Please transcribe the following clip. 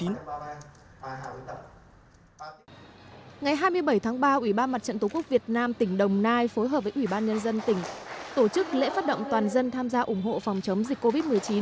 ngày hai mươi bảy tháng ba ủy ban mặt trận tổ quốc việt nam tỉnh đồng nai phối hợp với ủy ban nhân dân tỉnh tổ chức lễ phát động toàn dân tham gia ủng hộ phòng chống dịch covid một mươi chín